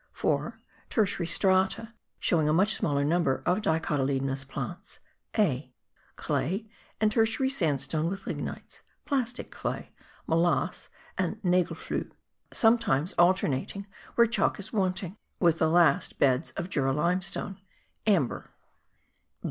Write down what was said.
4. Tertiary strata, showing a much smaller number of dicotyledonous plants. (a) Clay and tertiary sandstone with lignites; plastic clay; mollasse and nagelfluhe, sometimes alternating where chalk is wanting, with the last beds of Jura limestone; amber.